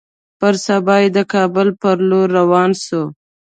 پر سبا يې د کابل پر لور روان سو.